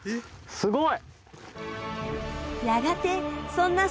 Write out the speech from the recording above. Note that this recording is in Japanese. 「すごい！